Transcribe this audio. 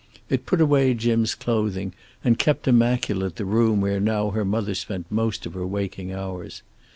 It put away Jim's clothing, and kept immaculate the room where now her mother spent most of her waking hours.